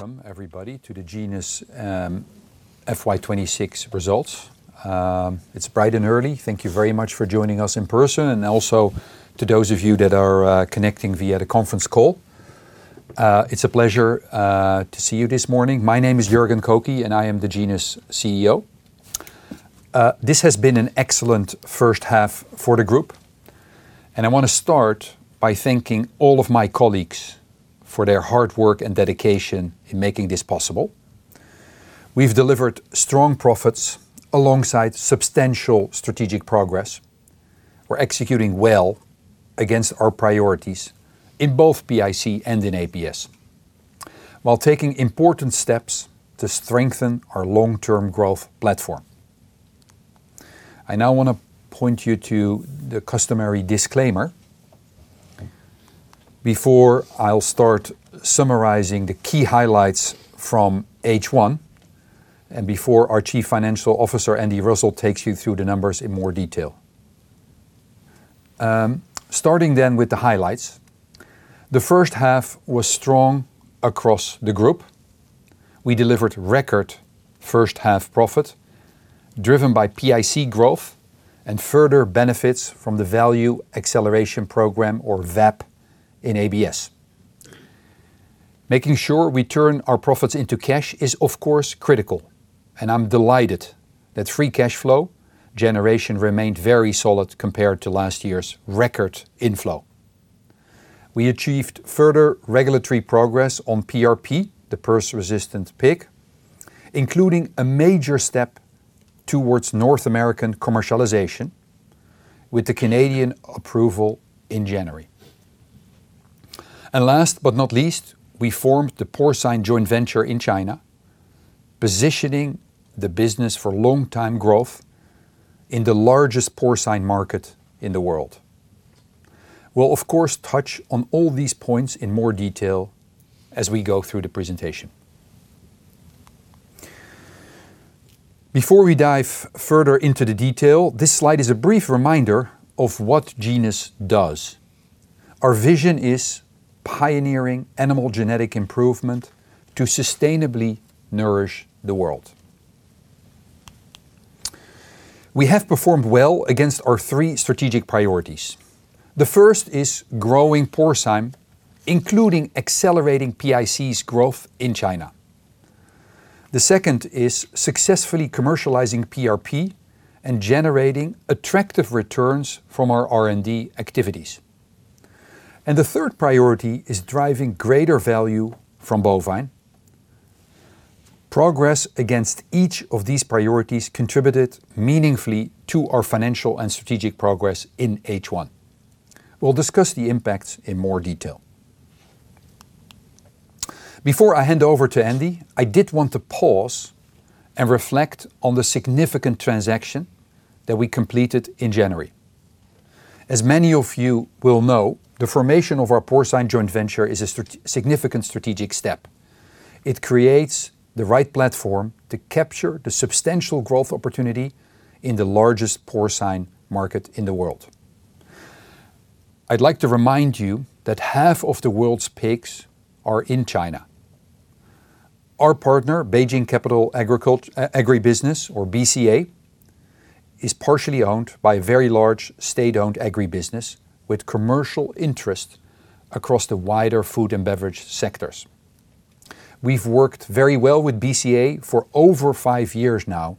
Welcome, everybody, to the Genus FY 2026 results. It's bright and early. Thank you very much for joining us in person and also to those of you that are connecting via the conference call. It's a pleasure to see you this morning. My name is Jorgen Kokke, and I am the Genus CEO. This has been an excellent first half for the group, and I wanna start by thanking all of my colleagues for their hard work and dedication in making this possible. We've delivered strong profits alongside substantial strategic progress. We're executing well against our priorities in both PIC and in ABS, while taking important steps to strengthen our long-term growth platform. I now wanna point you to the customary disclaimer before I'll start summarizing the key highlights from H1 and before our Chief Financial Officer, Andy Russell, takes you through the numbers in more detail. Starting with the highlights, the first half was strong across the group. We delivered record first half profit, driven by PIC growth and further benefits from the Value Acceleration Program, or VAP, in ABS. Making sure we turn our profits into cash is, of course, critical, and I'm delighted that free cash flow generation remained very solid compared to last year's record inflow. We achieved further regulatory progress on PRP, the PRRS-resistant pig, including a major step towards North American commercialization with the Canadian approval in January. Last but not least, we formed the porcine joint venture in China, positioning the business for long-time growth in the largest porcine market in the world. We'll of course, touch on all these points in more detail as we go through the presentation. Before we dive further into the detail, this slide is a brief reminder of what Genus does. Our vision is pioneering animal genetic improvement to sustainably nourish the world. We have performed well against our three strategic priorities. The first is growing porcine, including accelerating PIC's growth in China. The second is successfully commercializing PRP and generating attractive returns from our R&D activities. The third priority is driving greater value from bovine. Progress against each of these priorities contributed meaningfully to our financial and strategic progress in H1. We'll discuss the impacts in more detail. Before I hand over to Andy, I did want to pause and reflect on the significant transaction that we completed in January. As many of you will know, the formation of our porcine joint venture is a significant strategic step. It creates the right platform to capture the substantial growth opportunity in the largest porcine market in the world. I'd like to remind you that half of the world's pigs are in China. Our partner, Beijing Capital Agribusiness, or BCA, is partially owned by a very large state-owned agribusiness with commercial interest across the wider food and beverage sectors. We've worked very well with BCA for over five years now,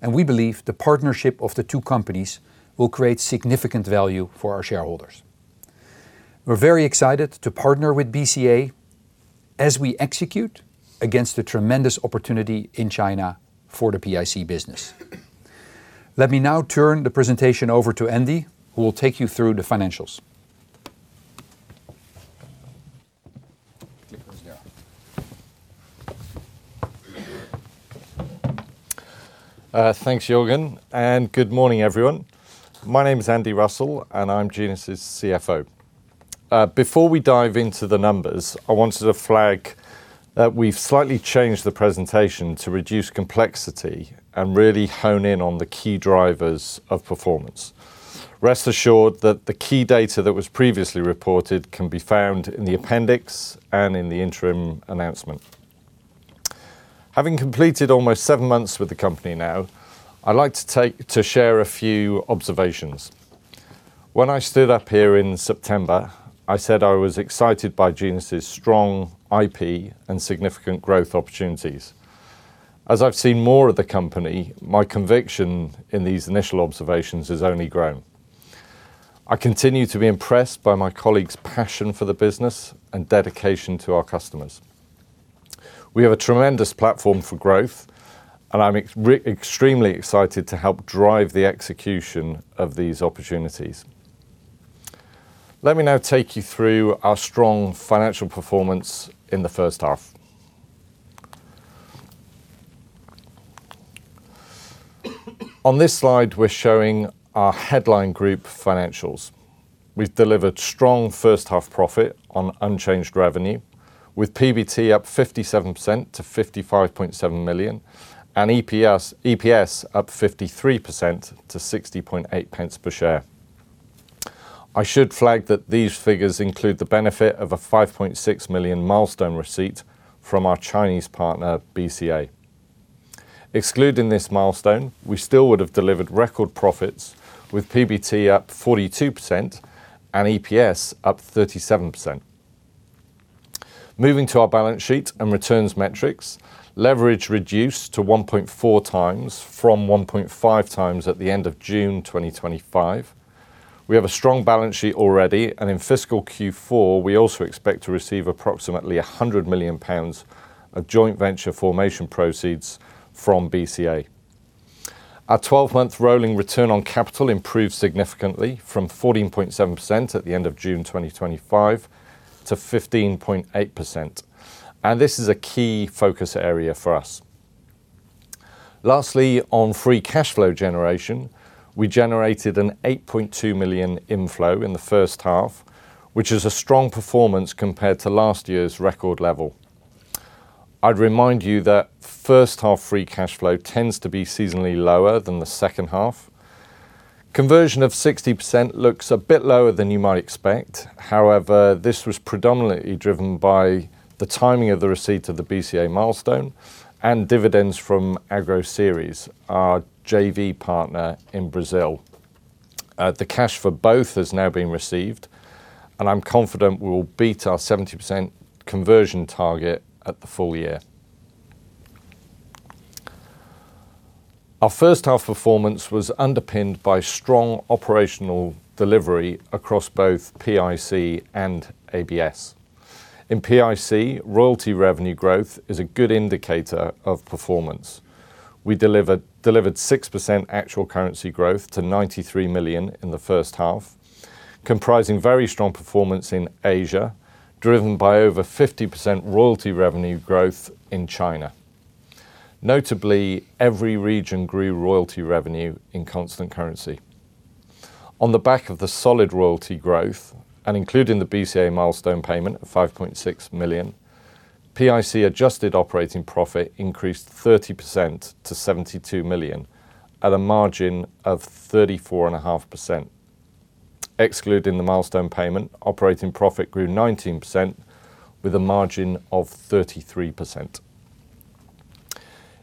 and we believe the partnership of the two companies will create significant value for our shareholders. We're very excited to partner with BCA as we execute against the tremendous opportunity in China for the PIC business. Let me now turn the presentation over to Andy, who will take you through the financials. Yeah. Thanks, Jorgen, and good morning, everyone. My name is Andy Russell, and I'm Genus's CFO. Before we dive into the numbers, I wanted to flag that we've slightly changed the presentation to reduce complexity and really hone in on the key drivers of performance. Rest assured that the key data that was previously reported can be found in the appendix and in the interim announcement. Having completed almost seven months with the company now, I'd like to share a few observations. When I stood up here in September, I said I was excited by Genus's strong IP and significant growth opportunities. As I've seen more of the company, my conviction in these initial observations has only grown. I continue to be impressed by my colleagues' passion for the business and dedication to our customers. We have a tremendous platform for growth, and I'm extremely excited to help drive the execution of these opportunities. Let me now take you through our strong financial performance in the first half. On this slide, we're showing our headline group financials. We've delivered strong first half profit on unchanged revenue, with PBT up 57% to 55.7 million and EPS up 53% to 60.8 pence per share. I should flag that these figures include the benefit of a 5.6 million milestone receipt from our Chinese partner, BCA. Excluding this milestone, we still would have delivered record profits, with PBT up 42% and EPS up 37%. Moving to our balance sheet and returns metrics, leverage reduced to 1.4 times from 1.5 times at the end of June 2025. We have a strong balance sheet already. In fiscal Q4, we also expect to receive approximately 100 million pounds of joint venture formation proceeds from BCA. Our 12-month rolling return on capital improved significantly from 14.7% at the end of June 2025 to 15.8%. This is a key focus area for us. Lastly, on free cash flow generation, we generated a 8.2 million inflow in the first half, which is a strong performance compared to last year's record level. Conversion of 60% looks a bit lower than you might expect. This was predominantly driven by the timing of the receipt of the BCA milestone and dividends from Agroceres, our JV partner in Brazil. The cash for both has now been received. I'm confident we will beat our 70% conversion target at the full year. Our first half performance was underpinned by strong operational delivery across both PIC and ABS. In PIC, royalty revenue growth is a good indicator of performance. We delivered 6% actual currency growth to 93 million in the first half, comprising very strong performance in Asia, driven by over 50% royalty revenue growth in China. Notably, every region grew royalty revenue in constant currency. On the back of the solid royalty growth and including the BCA milestone payment of 5.6 million, PIC adjusted operating profit increased 30% to 72 million at a margin of 34.5%. Excluding the milestone payment, operating profit grew 19% with a margin of 33%.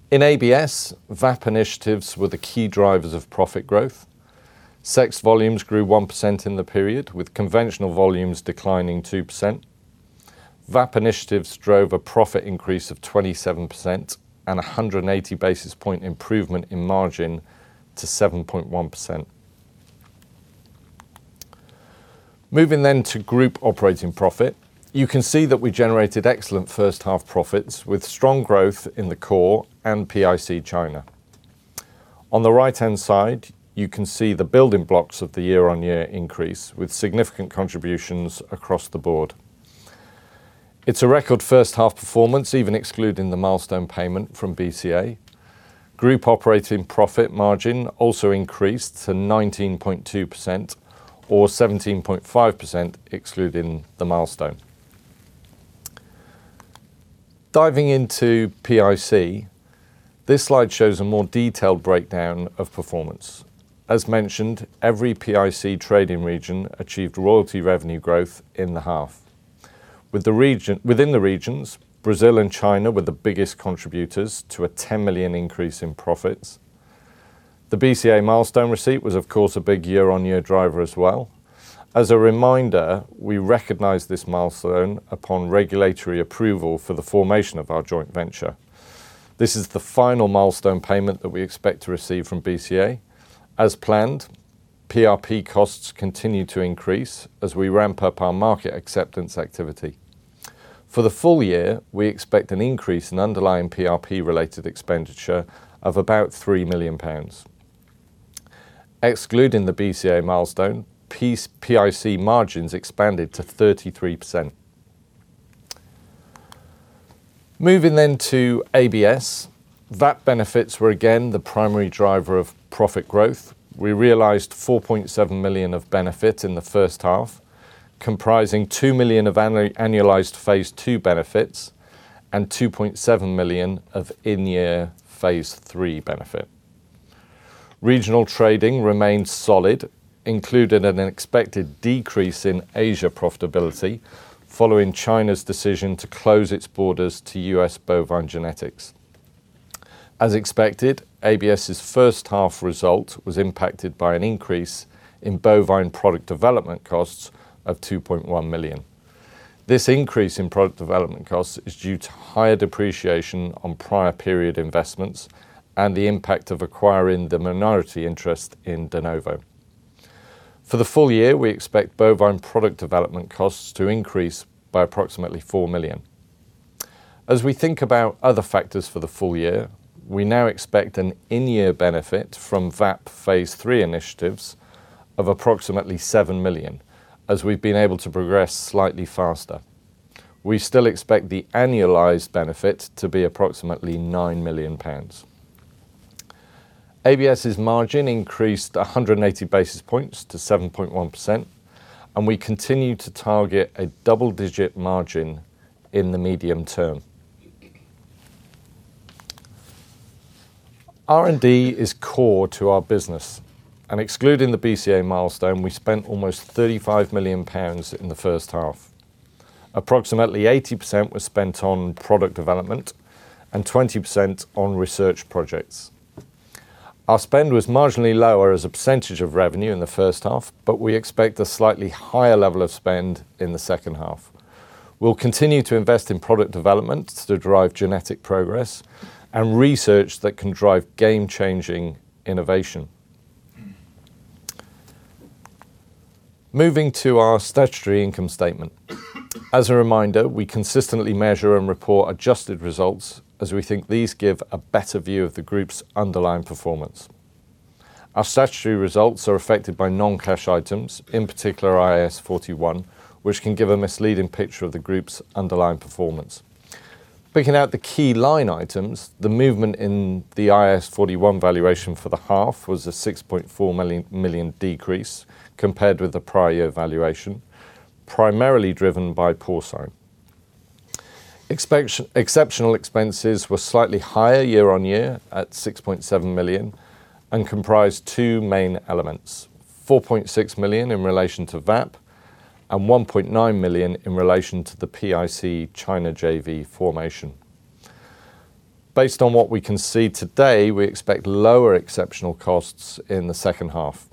In ABS, VAP initiatives were the key drivers of profit growth. Sex volumes grew 1% in the period, with conventional volumes declining 2%. VAP initiatives drove a profit increase of 27% and a 180 basis point improvement in margin to 7.1%. Moving to group operating profit, you can see that we generated excellent first half profits with strong growth in the core and PIC China. On the right-hand side, you can see the building blocks of the year-on-year increase, with significant contributions across the board. It's a record first half performance, even excluding the milestone payment from BCA. Group operating profit margin also increased to 19.2% or 17.5%, excluding the milestone. Diving into PIC, this slide shows a more detailed breakdown of performance. As mentioned, every PIC trading region achieved royalty revenue growth in the half. Within the regions, Brazil and China were the biggest contributors to a 10 million increase in profits. The BCA milestone receipt was, of course, a big year-on-year driver as well. As a reminder, we recognized this milestone upon regulatory approval for the formation of our joint venture. This is the final milestone payment that we expect to receive from BCA. As planned, PRP costs continue to increase as we ramp up our market acceptance activity. For the full year, we expect an increase in underlying PRP-related expenditure of about 3 million pounds. Excluding the BCA milestone, PIC margins expanded to 33%. Moving to ABS, VAP benefits were again the primary driver of profit growth. We realized 4.7 million of benefits in the first half, comprising 2 million of annualized Phase II benefits and 2.7 million of in-year Phase III benefit. Regional trading remained solid, including an unexpected decrease in Asia profitability following China's decision to close its borders to U.S. bovine genetics. As expected, ABS's first half result was impacted by an increase in bovine product development costs of 2.1 million. This increase in product development costs is due to higher depreciation on prior period investments and the impact of acquiring the minority interest in De Novo. For the full year, we expect bovine product development costs to increase by approximately 4 million. As we think about other factors for the full year, we now expect an in-year benefit from VAP Phase III initiatives of approximately 7 million, as we've been able to progress slightly faster. We still expect the annualized benefit to be approximately 9 million pounds. ABS's margin increased 180 basis points to 7.1%. We continue to target a double-digit margin in the medium term. R&D is core to our business. Excluding the BCA milestone, we spent almost 35 million pounds in the first half. Approximately 80% was spent on product development and 20% on research projects. Our spend was marginally lower as a percentage of revenue in the first half. We expect a slightly higher level of spend in the second half. We'll continue to invest in product development to drive genetic progress and research that can drive game-changing innovation. Moving to our statutory income statement. As a reminder, we consistently measure and report adjusted results as we think these give a better view of the group's underlying performance. Our statutory results are affected by non-cash items, in particular IAS 41, which can give a misleading picture of the group's underlying performance. Picking out the key line items, the movement in the IAS 41 valuation for the half was a 6.4 million decrease compared with the prior year valuation, primarily driven by porcine. Exceptional expenses were slightly higher year-on-year at 6.7 million and comprised two main elements: 4.6 million in relation to VAP and 1.9 million in relation to the PIC China JV formation. Based on what we can see today, we expect lower exceptional costs in the second half.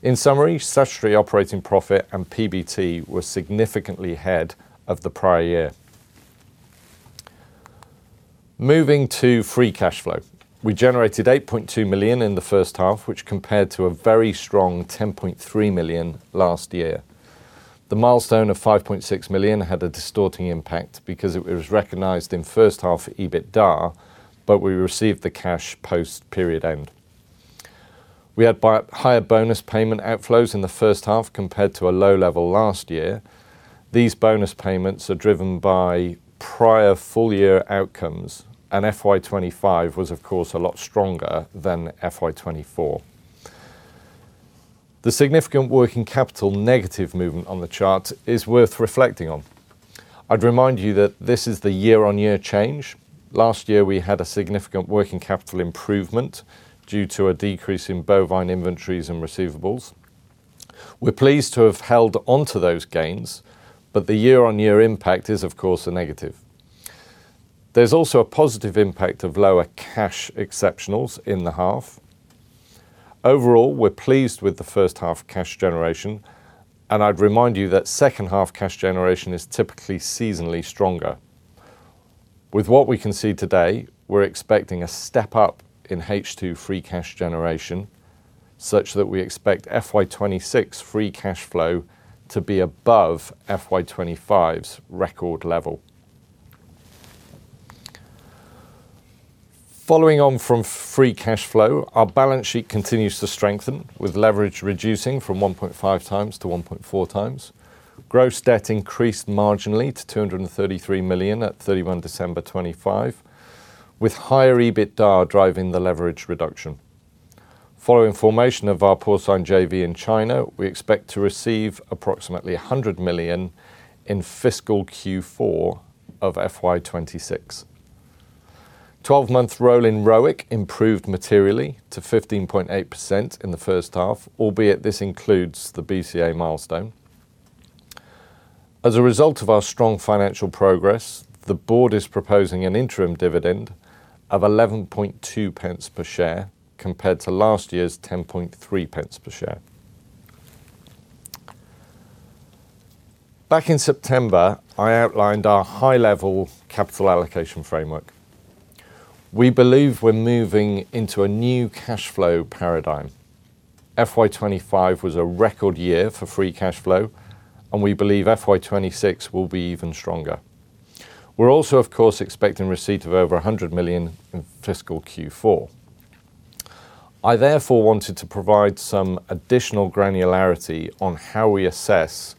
In summary, statutory operating profit and PBT were significantly ahead of the prior year. Moving to free cash flow. We generated 8.2 million in the first half, which compared to a very strong 10.3 million last year. The milestone of 5.6 million had a distorting impact because it was recognized in first half EBITDA, but we received the cash post-period end. We had by higher bonus payment outflows in the first half compared to a low level last year. These bonus payments are driven by prior full year outcomes. FY 2025 was, of course, a lot stronger than FY 2024. The significant working capital negative movement on the chart is worth reflecting on. I'd remind you that this is the year-on-year change. Last year, we had a significant working capital improvement due to a decrease in bovine inventories and receivables. We're pleased to have held onto those gains, but the year-on-year impact is, of course, a negative. There's also a positive impact of lower cash exceptionals in the half. Overall, we're pleased with the first half cash generation. I'd remind you that second-half cash generation is typically seasonally stronger. With what we can see today, we're expecting a step-up in H2 free cash generation, such that we expect FY 2026 free cash flow to be above FY 2025's record level. Following on from free cash flow, our balance sheet continues to strengthen, with leverage reducing from 1.5 times to 1.4 times. Gross debt increased marginally to 233 million at 31 December 2025, with higher EBITDA driving the leverage reduction. Following formation of our porcine JV in China, we expect to receive approximately 100 million in fiscal Q4 of FY 2026. 12-month rolling ROIC improved materially to 15.8% in the first half, albeit this includes the BCA milestone. As a result of our strong financial progress, the board is proposing an interim dividend of 11.2 pence per share, compared to last year's 10.3 pence per share. Back in September, I outlined our high-level capital allocation framework. We believe we're moving into a new cash flow paradigm. FY 2025 was a record year for free cash flow, and we believe FY 2026 will be even stronger. We're also, of course, expecting receipt of over 100 million in fiscal Q4. I therefore wanted to provide some additional granularity on how we assess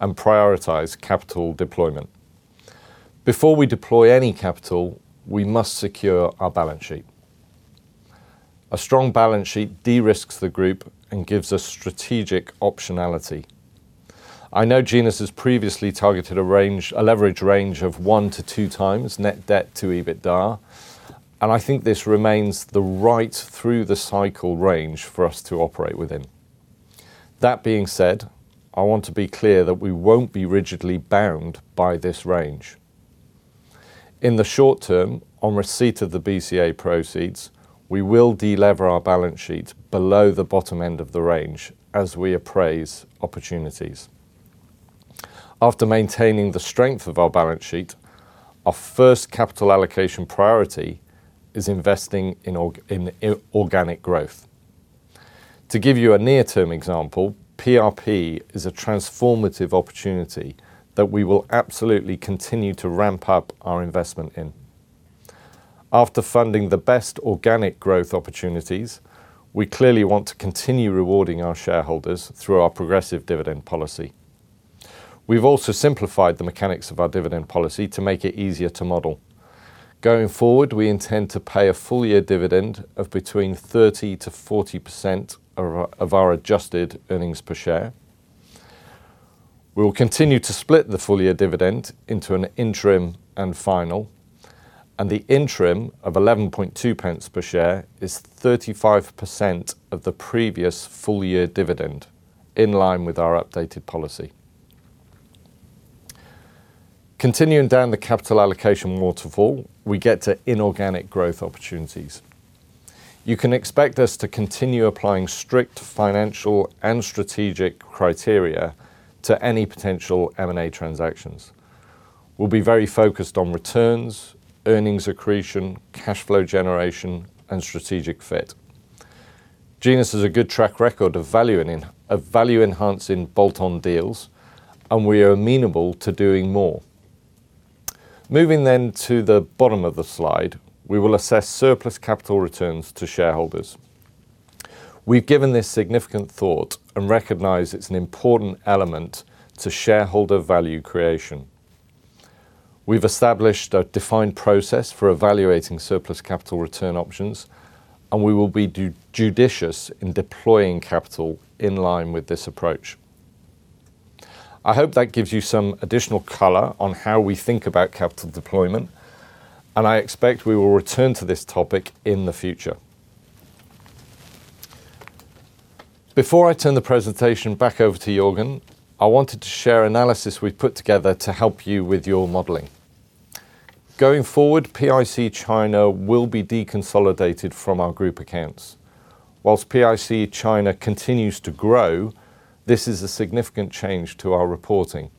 and prioritize capital deployment. Before we deploy any capital, we must secure our balance sheet. A strong balance sheet de-risks the group and gives us strategic optionality. I know Genus has previously targeted a range, a leverage range of one to two times net debt to EBITDA, and I think this remains the right through the cycle range for us to operate within. That being said, I want to be clear that we won't be rigidly bound by this range. In the short term, on receipt of the BCA proceeds, we will de-lever our balance sheet below the bottom end of the range as we appraise opportunities. After maintaining the strength of our balance sheet, our first capital allocation priority is investing in organic growth. To give you a near-term example, PRP is a transformative opportunity that we will absolutely continue to ramp up our investment in. After funding the best organic growth opportunities, we clearly want to continue rewarding our shareholders through our progressive dividend policy. We've also simplified the mechanics of our dividend policy to make it easier to model. Going forward, we intend to pay a full year dividend of between 30%-40% of our adjusted earnings per share. We will continue to split the full-year dividend into an interim and final, and the interim of 11.2 pence per share is 35% of the previous full-year dividend, in line with our updated policy. Continuing down the capital allocation waterfall, we get to inorganic growth opportunities. You can expect us to continue applying strict financial and strategic criteria to any potential M&A transactions. We'll be very focused on returns, earnings accretion, cash flow generation, and strategic fit. Genus has a good track record of value-enhancing bolt-on deals, and we are amenable to doing more. Moving to the bottom of the slide, we will assess surplus capital returns to shareholders. We've given this significant thought and recognize it's an important element to shareholder value creation. We've established a defined process for evaluating surplus capital return options, and we will be judicious in deploying capital in line with this approach. I hope that gives you some additional color on how we think about capital deployment, and I expect we will return to this topic in the future. Before I turn the presentation back over to Jorgen, I wanted to share analysis we've put together to help you with your modeling. Going forward, PIC China will be deconsolidated from our group accounts. While PIC China continues to grow, this is a significant change to our reporting.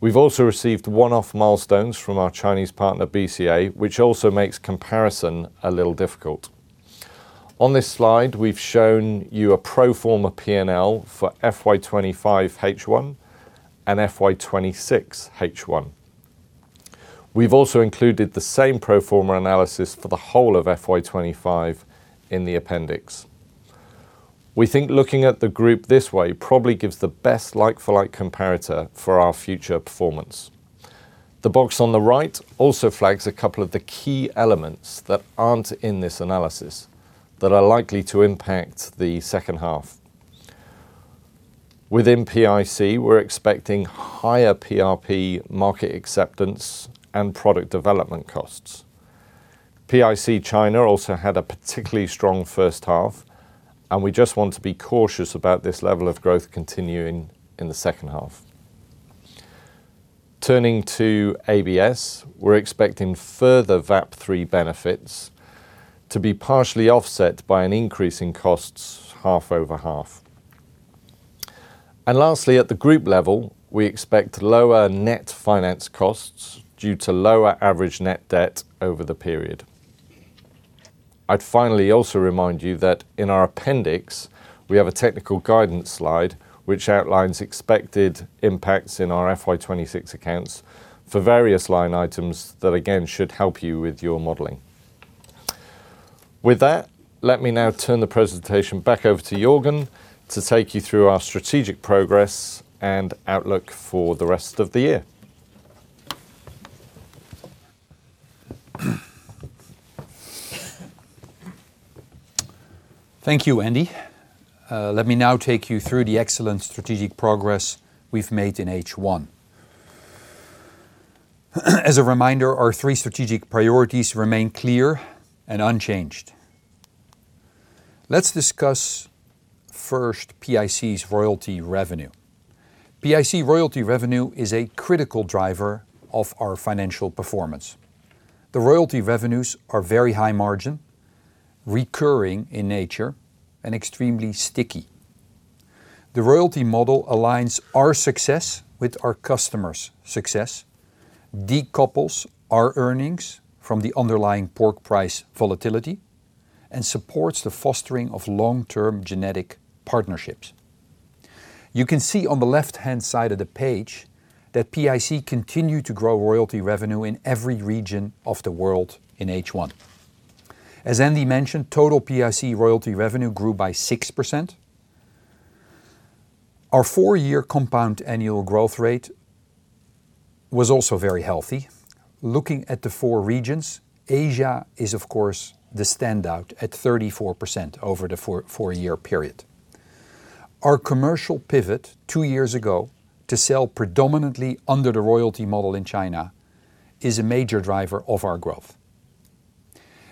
We've also received one-off milestones from our Chinese partner, BCA, which also makes comparison a little difficult. On this slide, we've shown you a pro forma P&L for FY 2025 H1 and FY 2026 H1. We've also included the same pro forma analysis for the whole of FY 2025 in the appendix. We think looking at the group this way probably gives the best like-for-like comparator for our future performance. The box on the right also flags a couple of the key elements that aren't in this analysis that are likely to impact the second half. Within PIC, we're expecting higher PRP market acceptance and product development costs. PIC China also had a particularly strong first half. We just want to be cautious about this level of growth continuing in the second half. Turning to ABS, we're expecting further VAP 3 benefits to be partially offset by an increase in costs half over half. Lastly, at the group level, we expect lower net finance costs due to lower average net debt over the period. I'd finally also remind you that in our appendix, we have a technical guidance slide which outlines expected impacts in our FY 2026 accounts for various line items that, again, should help you with your modeling. With that, let me now turn the presentation back over to Jorgen to take you through our strategic progress and outlook for the rest of the year. Thank you, Andy. Let me now take you through the excellent strategic progress we've made in H1. As a reminder, our three strategic priorities remain clear and unchanged. Let's discuss first PIC's royalty revenue. PIC royalty revenue is a critical driver of our financial performance. The royalty revenues are very high margin, recurring in nature, and extremely sticky. The royalty model aligns our success with our customers' success, decouples our earnings from the underlying pork price volatility, and supports the fostering of long-term genetic partnerships. You can see on the left-hand side of the page that PIC continued to grow royalty revenue in every region of the world in H1. As Andy mentioned, total PIC royalty revenue grew by 6%. Our four-year compound annual growth rate was also very healthy. Looking at the four regions, Asia is, of course, the standout at 34% over the four-year period. Our commercial pivot two years ago to sell predominantly under the royalty model in China is a major driver of our growth.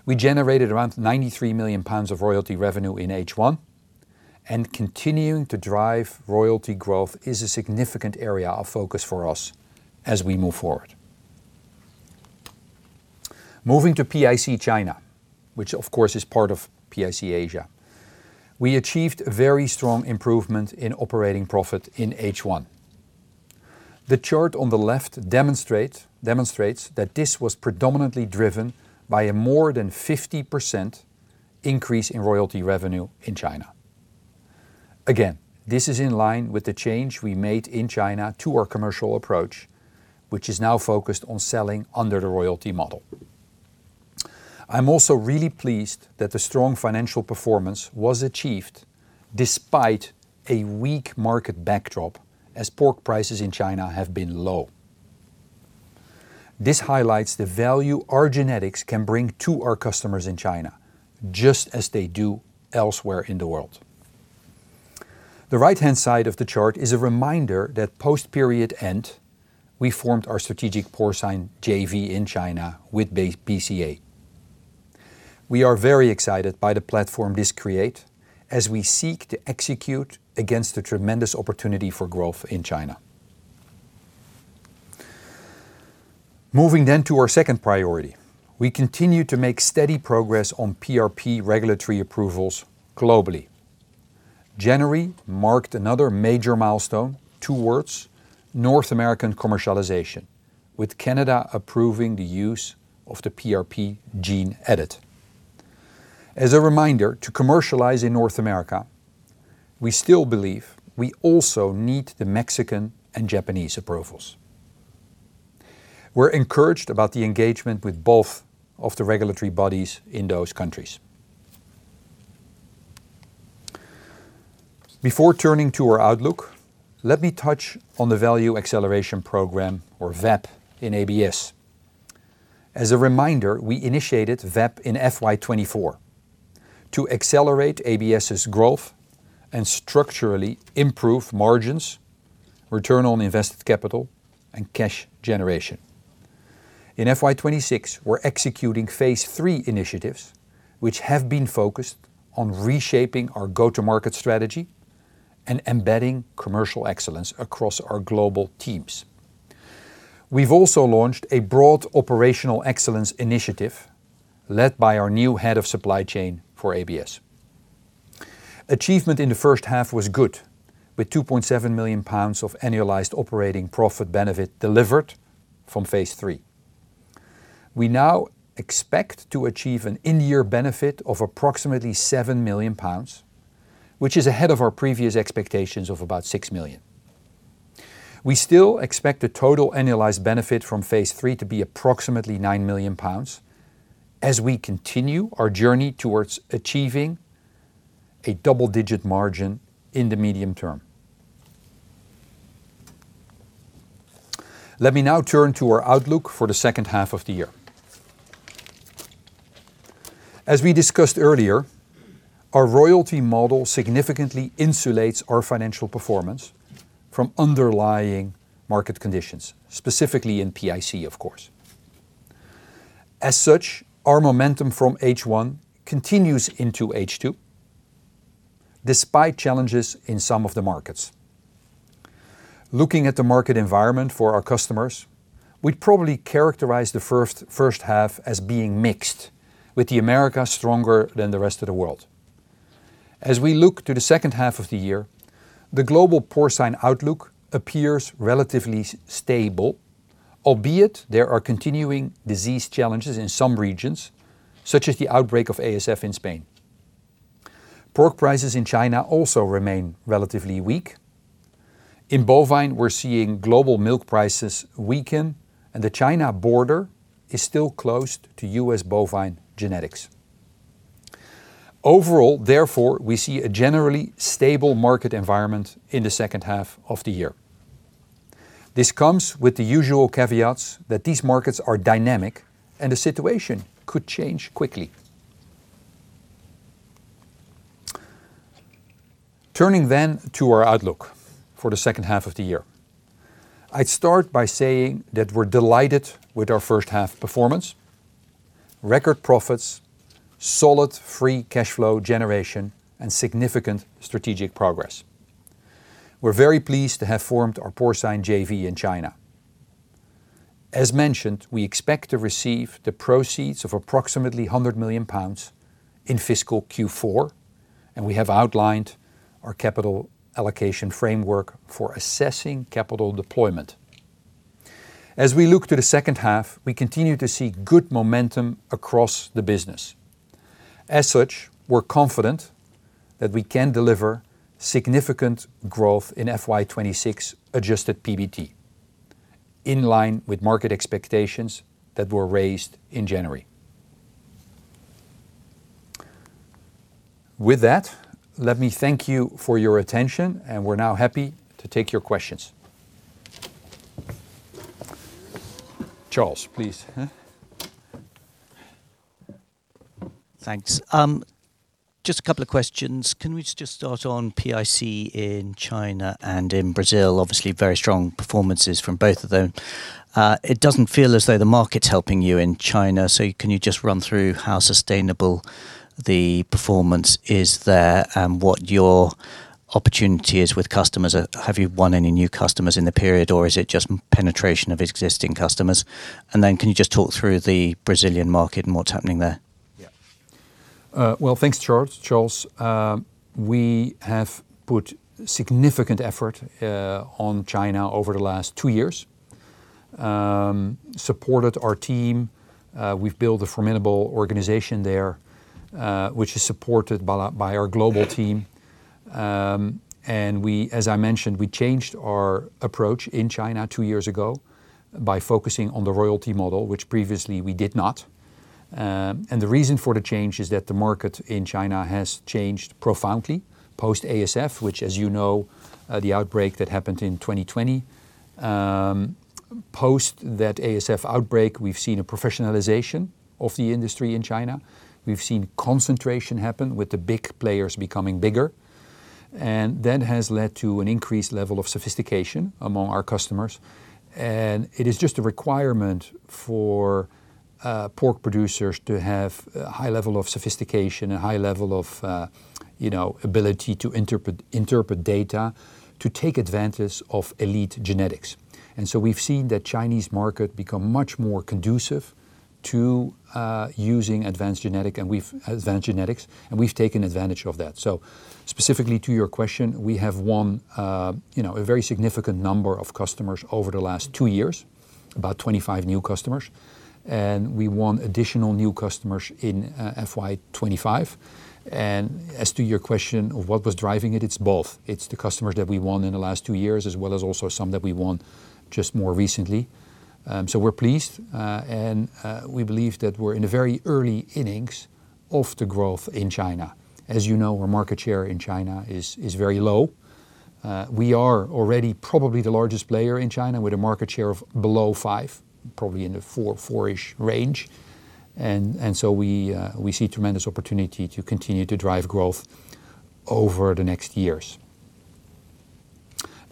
We generated around 93 million pounds of royalty revenue in H1. Continuing to drive royalty growth is a significant area of focus for us as we move forward. Moving to PIC China, which of course is part of PIC Asia, we achieved a very strong improvement in operating profit in H1. The chart on the left demonstrates that this was predominantly driven by a more than 50% increase in royalty revenue in China. This is in line with the change we made in China to our commercial approach, which is now focused on selling under the royalty model. I'm also really pleased that the strong financial performance was achieved despite a weak market backdrop, as pork prices in China have been low. This highlights the value our genetics can bring to our customers in China, just as they do elsewhere in the world. The right-hand side of the chart is a reminder that post-period end, we formed our strategic porcine JV in China with BCA. We are very excited by the platform this create, as we seek to execute against the tremendous opportunity for growth in China. Moving to our second priority, we continue to make steady progress on PRP regulatory approvals globally. January marked another major milestone towards North American commercialization, with Canada approving the use of the PRP gene edit. As a reminder, to commercialize in North America, we still believe we also need the Mexican and Japanese approvals. We're encouraged about the engagement with both of the regulatory bodies in those countries. Before turning to our outlook, let me touch on the Value Acceleration Program, or VAP, in ABS. As a reminder, we initiated VAP in FY 2024 to accelerate ABS's growth and structurally improve margins, return on invested capital, and cash generation. In FY 2026, we're executing phase three initiatives, which have been focused on reshaping our go-to-market strategy and embedding commercial excellence across our global teams. We've also launched a broad operational excellence initiative, led by our new head of supply chain for ABS. Achievement in the first half was good, with 2.7 million pounds of annualized operating profit benefit delivered from phase three. We now expect to achieve an in-year benefit of approximately 7 million pounds, which is ahead of our previous expectations of about 6 million. We still expect the total annualized benefit from phase three to be approximately 9 million pounds as we continue our journey towards achieving a double-digit margin in the medium term. Let me now turn to our outlook for the second half of the year. As we discussed earlier, our royalty model significantly insulates our financial performance from underlying market conditions, specifically in PIC, of course. As such, our momentum from H1 continues into H2, despite challenges in some of the markets. Looking at the market environment for our customers, we'd probably characterize the first half as being mixed, with the Americas stronger than the rest of the world. As we look to the second half of the year, the global porcine outlook appears relatively stable, albeit there are continuing disease challenges in some regions, such as the outbreak of ASF in Spain. Pork prices in China also remain relatively weak. In bovine, we're seeing global milk prices weaken, and the China border is still closed to U.S. bovine genetics. Therefore, we see a generally stable market environment in the second half of the year. This comes with the usual caveats that these markets are dynamic and the situation could change quickly. Turning to our outlook for the second half of the year, I'd start by saying that we're delighted with our first half performance, record profits, solid free cash flow generation, and significant strategic progress. We're very pleased to have formed our porcine JV in China. As mentioned, we expect to receive the proceeds of approximately 100 million pounds in fiscal Q4, and we have outlined our capital allocation framework for assessing capital deployment. As we look to the second half, we continue to see good momentum across the business. As such, we're confident that we can deliver significant growth in FY 26 adjusted PBT, in line with market expectations that were raised in January. With that, let me thank you for your attention, and we're now happy to take your questions. Charles, please, huh? Thanks. Just a couple of questions. Can we just start on PIC in China and in Brazil? Obviously, very strong performances from both of them. It doesn't feel as though the market's helping you in China. Can you just run through how sustainable the performance is there and what your opportunity is with customers? Have you won any new customers in the period, or is it just penetration of existing customers? Can you just talk through the Brazilian market and what's happening there? Yeah. Well, thanks, Charles. We have put significant effort on China over the last two years, supported our team. We've built a formidable organization there, which is supported by our global team. We, as I mentioned, we changed our approach in China two years ago by focusing on the royalty model, which previously we did not.... The reason for the change is that the market in China has changed profoundly post ASF, which, as you know, the outbreak that happened in 2020. Post that ASF outbreak, we've seen a professionalization of the industry in China. We've seen concentration happen, with the big players becoming bigger. That has led to an increased level of sophistication among our customers. It is just a requirement for pork producers to have a high level of sophistication, a high level of, you know, ability to interpret data, to take advantage of elite genetics. We've seen the Chinese market become much more conducive to using advanced genetics, and we've taken advantage of that. Specifically to your question, we have won, you know, a very significant number of customers over the last two years, about 25 new customers, and we want additional new customers in FY 2025. As to your question of what was driving it's both. It's the customers that we won in the last two years, as well as also some that we won just more recently. We're pleased, and we believe that we're in the very early innings of the growth in China. As you know, our market share in China is very low. We are already probably the largest player in China, with a market share of below 5, probably in the 4-ish range. We see tremendous opportunity to continue to drive growth over the next years.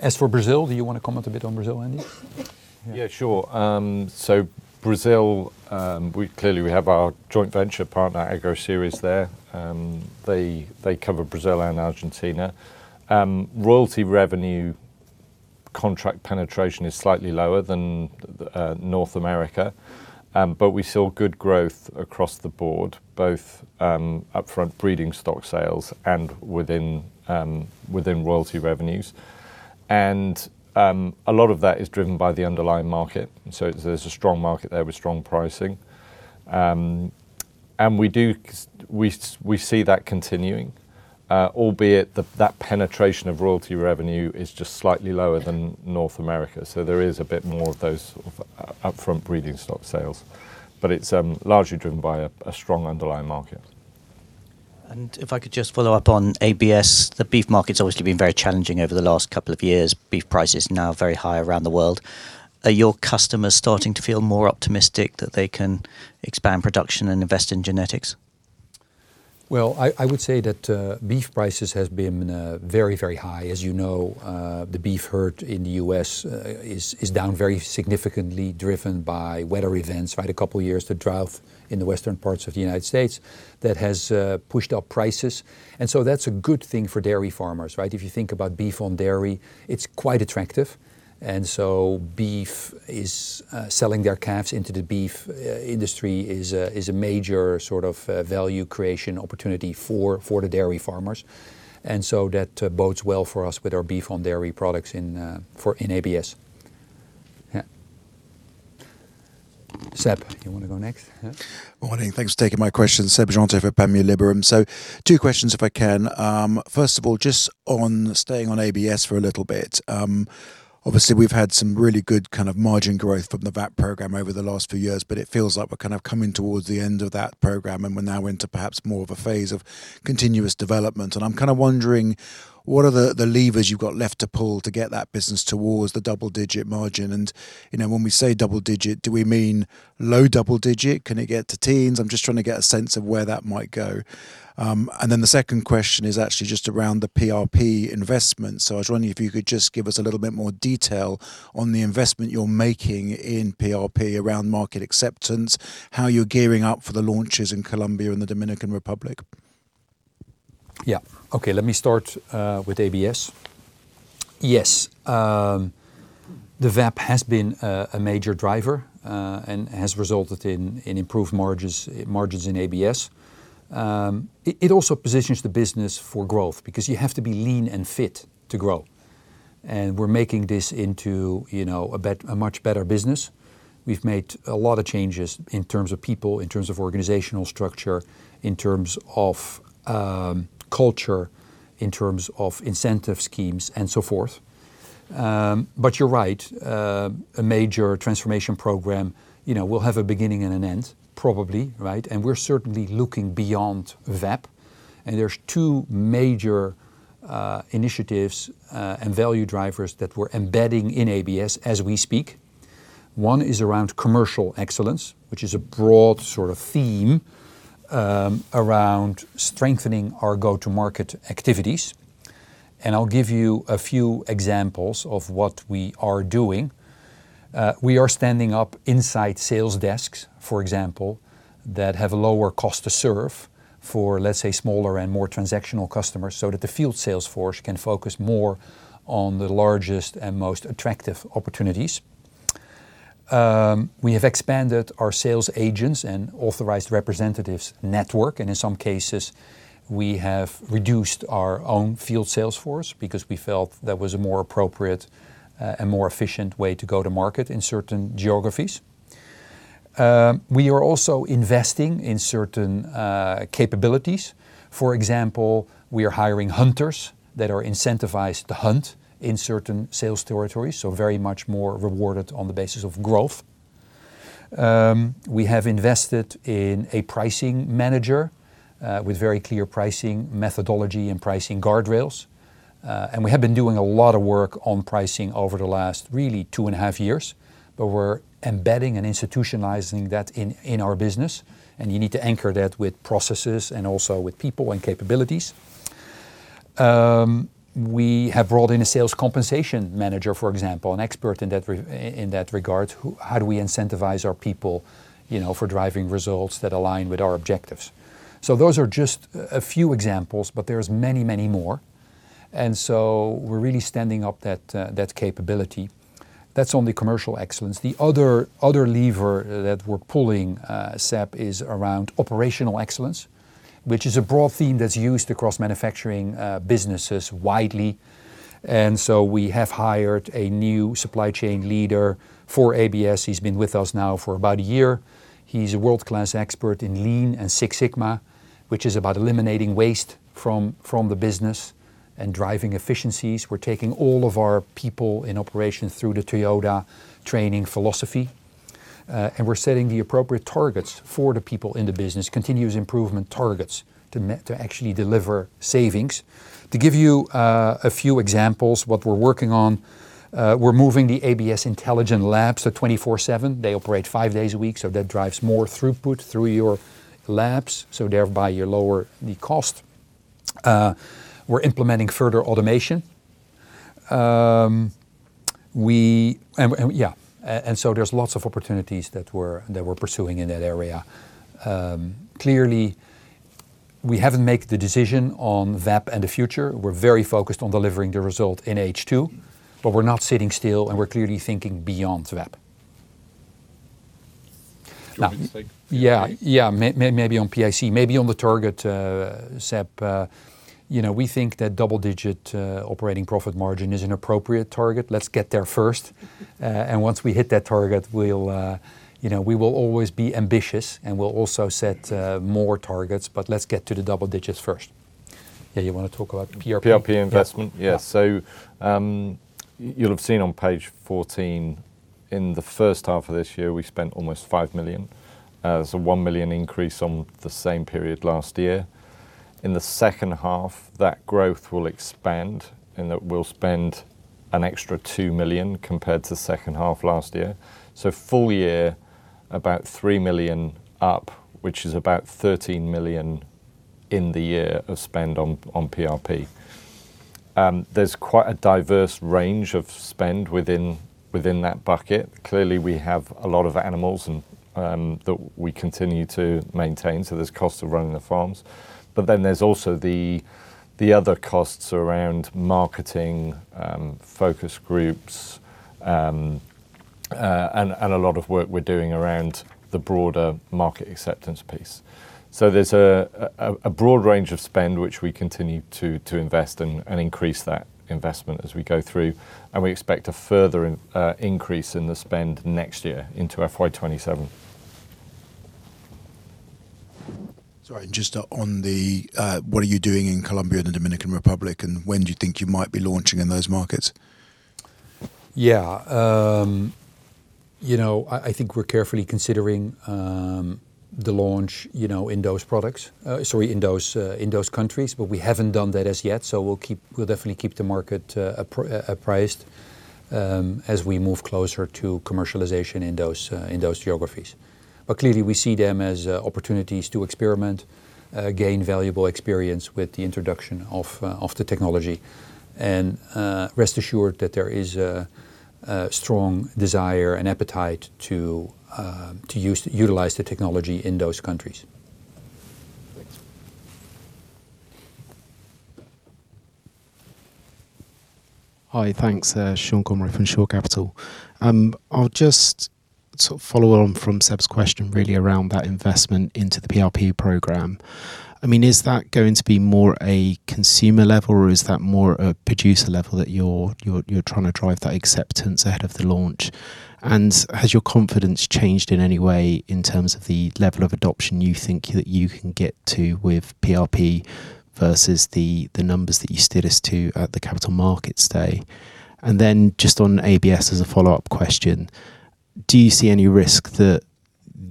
As for Brazil, do you wanna comment a bit on Brazil, Andy? Yeah, sure. Brazil, we clearly have our joint venture partner, Agroceres, there. They cover Brazil and Argentina. Royalty revenue contract penetration is slightly lower than North America. We saw good growth across the board, both upfront breeding stock sales and within royalty revenues. A lot of that is driven by the underlying market. There's a strong market there with strong pricing. We see that continuing, albeit that penetration of royalty revenue is just slightly lower than North America. There is a bit more of those of upfront breeding stock sales, but it's largely driven by a strong underlying market. If I could just follow up on ABS, the beef market's obviously been very challenging over the last couple of years. Beef prices now very high around the world. Are your customers starting to feel more optimistic that they can expand production and invest in genetics? Well, I would say that beef prices has been very, very high. As you know, the beef herd in the U.S. is down very significantly, driven by weather events, right? A couple of years, the drought in the western parts of the United States, that has pushed up prices. That's a good thing for dairy farmers, right? If you think about beef on dairy, it's quite attractive. Beef is selling their calves into the beef industry is a major sort of value creation opportunity for the dairy farmers. That bodes well for us with our beef on dairy products for in ABS. Yeah. Seb, you wanna go next? Yeah. Morning. Thanks for taking my question, Seb Jantet for Panmure Liberum. Two questions, if I can. First of all, just on staying on ABS for a little bit, obviously, we've had some really good kind of margin growth from the VAP program over the last few years, but it feels like we're kind of coming towards the end of that program, and we're now into perhaps more of a phase of continuous development. I'm kind of wondering, what are the levers you've got left to pull to get that business towards the double-digit margin? You know, when we say double digit, do we mean low double digit? Can it get to teens? I'm just trying to get a sense of where that might go. The second question is actually just around the PRP investment. I was wondering if you could just give us a little bit more detail on the investment you're making in PRP around market acceptance, how you're gearing up for the launches in Colombia and the Dominican Republic? Yeah. Okay, let me start with ABS. Yes, the VAP has been a major driver and has resulted in improved margins in ABS. It also positions the business for growth, because you have to be lean and fit to grow. We're making this into, you know, a much better business. We've made a lot of changes in terms of people, in terms of organizational structure, in terms of culture, in terms of incentive schemes, and so forth. You're right, a major transformation program, you know, will have a beginning and an end, probably, right? We're certainly looking beyond VAP, and there's two major initiatives and value drivers that we're embedding in ABS as we speak. One is around commercial excellence, which is a broad sort of theme, around strengthening our go-to-market activities, and I'll give you a few examples of what we are doing. We are standing up inside sales desks, for example, that have a lower cost to serve for, let's say, smaller and more transactional customers, so that the field sales force can focus more on the largest and most attractive opportunities. We have expanded our sales agents and authorized representatives network, and in some cases, we have reduced our own field sales force because we felt that was a more appropriate and more efficient way to go to market in certain geographies. We are also investing in certain capabilities. For example, we are hiring hunters that are incentivized to hunt in certain sales territories, so very much more rewarded on the basis of growth. We have invested in a pricing manager, with very clear pricing, methodology, and pricing guardrails. We have been doing a lot of work on pricing over the last really 2 and a half years, but we're embedding and institutionalizing that in our business, and you need to anchor that with processes and also with people and capabilities. We have brought in a sales compensation manager, for example, an expert in that regard. How do we incentivize our people, you know, for driving results that align with our objectives? Those are just a few examples, but there is many, many more. We're really standing up that capability. That's on the commercial excellence. The other lever that we're pulling, Sepp, is around operational excellence, which is a broad theme that's used across manufacturing businesses widely. We have hired a new supply chain leader for ABS. He's been with us now for about a year. He's a world-class expert in Lean and Six Sigma, which is about eliminating waste from the business and driving efficiencies. We're taking all of our people in operations through the Toyota training philosophy, and we're setting the appropriate targets for the people in the business, continuous improvement targets, to actually deliver savings. To give you a few examples, what we're working on, we're moving the ABS intelligent labs to 24/7. They operate five days a week, so that drives more throughput through your labs, so thereby you lower the cost. We're implementing further automation. We... There's lots of opportunities that we're pursuing in that area. Clearly, we haven't made the decision on VAP and the future. We're very focused on delivering the result in H2, but we're not sitting still, and we're clearly thinking beyond VAP. Do you want me to take PIC? Yeah, yeah. Maybe on PIC. Maybe on the target, Sepp, you know, we think that double-digit operating profit margin is an appropriate target. Let's get there first. Once we hit that target, we'll, you know, we will always be ambitious, and we'll also set more targets, but let's get to the double digits first. Yeah, you wanna talk about PRP? PRP investment? Yeah. Yes. You'll have seen on page 14, in the first half of this year, we spent almost 5 million. A 1 million increase on the same period last year. In the second half, that growth will expand, and that we'll spend an extra 2 million compared to second half last year. Full year, about 3 million up, which is about 13 million in the year of spend on PRP. There's quite a diverse range of spend within that bucket. Clearly, we have a lot of animals and that we continue to maintain, so there's costs of running the farms. There's also the other costs around marketing, focus groups, and a lot of work we're doing around the broader market acceptance piece. There's a broad range of spend, which we continue to invest and increase that investment as we go through, and we expect a further increase in the spend next year into FY 2027. Sorry, just on the, what are you doing in Colombia and the Dominican Republic, and when do you think you might be launching in those markets? Yeah, you know, I think we're carefully considering the launch, you know, in those products, sorry, in those, in those countries, but we haven't done that as yet. We'll definitely keep the market apprised as we move closer to commercialization in those geographies. Clearly, we see them as opportunities to experiment, gain valuable experience with the introduction of the technology. Rest assured that there is a strong desire and appetite to utilize the technology in those countries. Thanks. Hi, thanks. Sean Conroy from Shore Capital. I'll just sort of follow on from Sepp's question really around that investment into the PRP program. I mean, is that going to be more a consumer level, or is that more a producer level that you're trying to drive that acceptance ahead of the launch? Has your confidence changed in any way in terms of the level of adoption you think that you can get to with PRP versus the numbers that you stood as to at the capital markets day? Just on ABS as a follow-up question, do you see any risk that,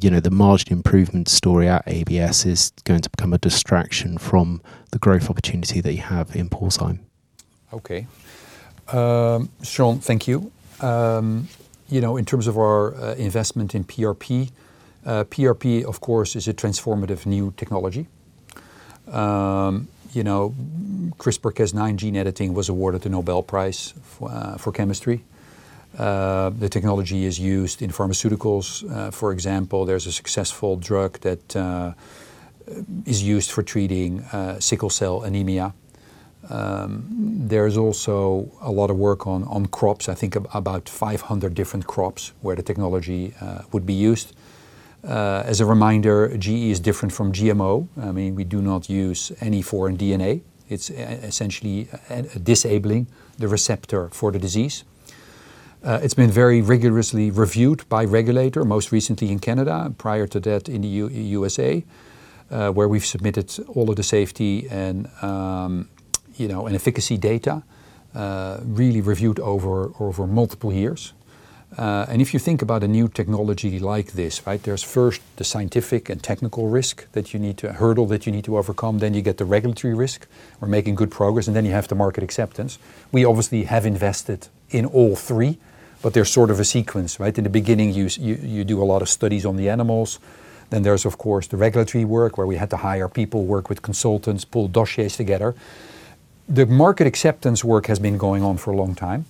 you know, the margin improvement story at ABS is going to become a distraction from the growth opportunity that you have in Porcine? Okay. Sean, thank you. You know, in terms of our investment in PRP, of course, is a transformative new technology. You know, CRISPR-Cas9 gene editing was awarded the Nobel Prize for Chemistry. The technology is used in pharmaceuticals. For example, there's a successful drug that is used for treating sickle cell anemia. There is also a lot of work on crops. I think about 500 different crops where the technology would be used. As a reminder, GE is different from GMO. I mean, we do not use any foreign DNA. It's essentially disabling the receptor for the disease. It's been very rigorously reviewed by regulator, most recently in Canada, and prior to that, in the USA, where we've submitted all of the safety and. You know, efficacy data, really reviewed over multiple years. If you think about a new technology like this, right? There's first the scientific and technical risk that hurdle that you need to overcome. You get the regulatory risk. We're making good progress. You have the market acceptance. We obviously have invested in all three. There's sort of a sequence, right? In the beginning, you do a lot of studies on the animals. There's of course, the regulatory work, where we had to hire people, work with consultants, pull dossiers together. The market acceptance work has been going on for a long time.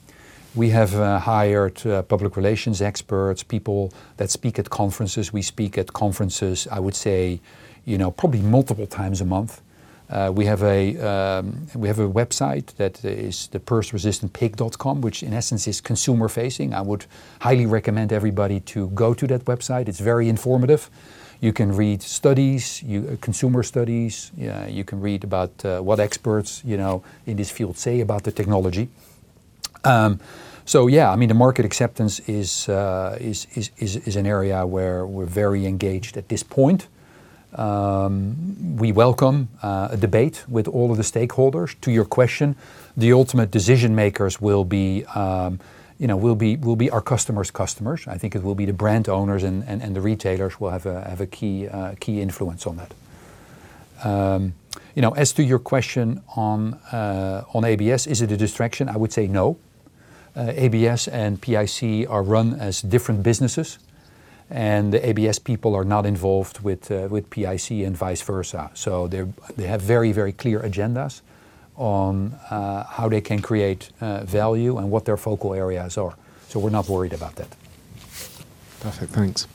We have hired public relations experts, people that speak at conferences. We speak at conferences, I would say, you know, probably multiple times a month. We have a website that is the prrsresistantpig.com, which in essence is consumer-facing. I would highly recommend everybody to go to that website. It's very informative. You can read studies, consumer studies. You can read about what experts, you know, in this field say about the technology. Yeah, I mean, the market acceptance is an area where we're very engaged at this point. We welcome a debate with all of the stakeholders. To your question, the ultimate decision makers will be, you know, will be our customers' customers. I think it will be the brand owners and the retailers will have a key influence on that. You know, as to your question on ABS, is it a distraction? I would say no. ABS and PIC are run as different businesses, and the ABS people are not involved with PIC and vice versa. They have very, very clear agendas on how they can create value and what their focal areas are, so we're not worried about that. Perfect. Thanks.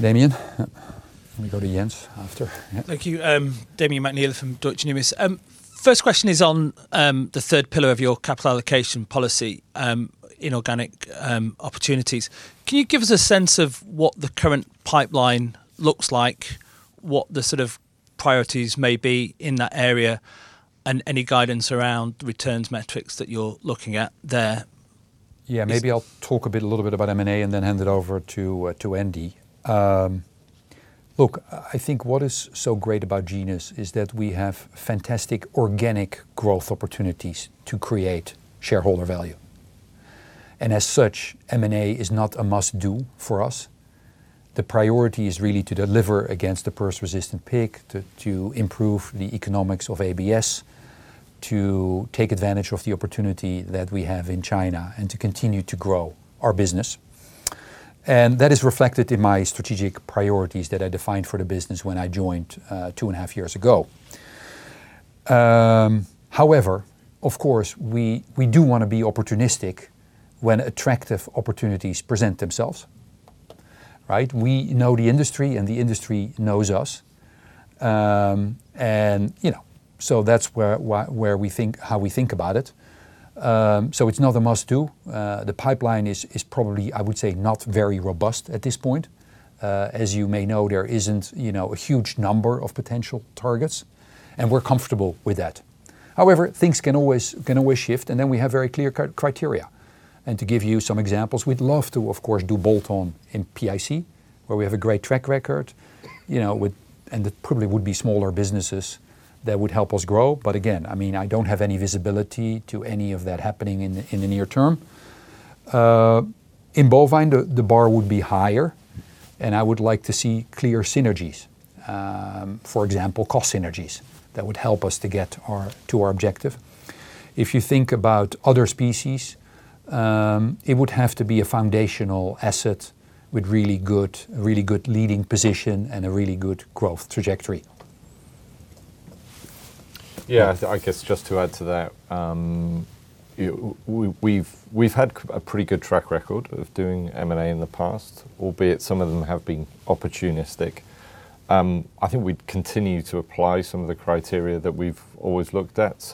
Damian? We go to Jens after. Yeah. Thank you. Damian McNeela from Deutsche Numis. First question is on the third pillar of your capital allocation policy, inorganic opportunities. Can you give us a sense of what the current pipeline looks like, what the sort of priorities may be in that area, and any guidance around returns metrics that you're looking at there? Yeah. Yes- Maybe I'll talk a bit, a little bit about M&A and then hand it over to Andy. Look, I think what is so great about Genus is that we have fantastic organic growth opportunities to create shareholder value. As such, M&A is not a must-do for us. The priority is really to deliver against the PRRS-resistant pig, to improve the economics of ABS, to take advantage of the opportunity that we have in China, and to continue to grow our business. That is reflected in my strategic priorities that I defined for the business when I joined two and a half years ago. Of course, we do wanna be opportunistic when attractive opportunities present themselves, right? We know the industry, and the industry knows us. You know, that's where we think, how we think about it. It's not a must-do. The pipeline is probably, I would say, not very robust at this point. As you may know, there isn't, you know, a huge number of potential targets, and we're comfortable with that. However, things can always shift, and then we have very clear criteria. To give you some examples, we'd love to, of course, do bolt-on in PIC, where we have a great track record, you know, with. And it probably would be smaller businesses that would help us grow. Again, I mean, I don't have any visibility to any of that happening in the near term. In bovine, the bar would be higher, and I would like to see clear synergies. For example, cost synergies that would help us to get our, to our objective. If you think about other species, it would have to be a foundational asset with really good leading position and a really good growth trajectory. Yeah, I guess just to add to that, we've had a pretty good track record of doing M&A in the past, albeit some of them have been opportunistic. I think we'd continue to apply some of the criteria that we've always looked at.